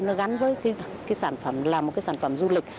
nó gắn với cái sản phẩm là một cái sản phẩm du lịch